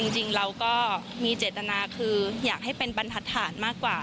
จริงเราก็มีเจตนาคืออยากให้เป็นบรรทัดฐานมากกว่า